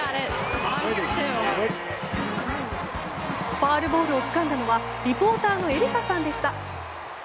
ファウルボールをつかんだのはリポーターのエリカさんでした。